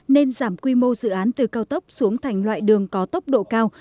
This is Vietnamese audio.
nên giảm quy mô dự án từ cao tốc xuống thành loại đường có tốc độ cao